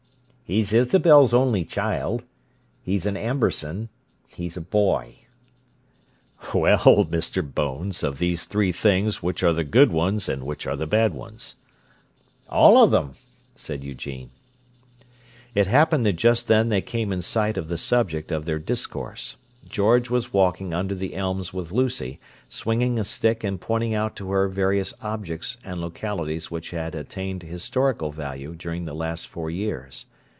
"He's Isabel's only child. He's an Amberson. He's a boy." "Well, Mister Bones, of these three things which are the good ones and which are the bad ones?" "All of them," said Eugene. It happened that just then they came in sight of the subject of their discourse. George was walking under the elms with Lucy, swinging a stick and pointing out to her various objects and localities which had attained historical value during the last four years.